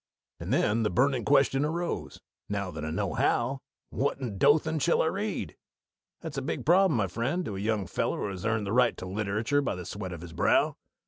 And then the burning question arose. Now that I know how, what in Dothan shall I read? That's a big problem, my friend, to a young feller that has earned his right to literature by the sweat of his brow.